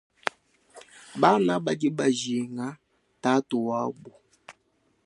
Bana badi bajinga tatu wabu.